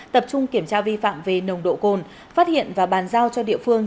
tập trung kiểm tra vi phạm về nồng độ cồn phát hiện và bàn giao cho địa phương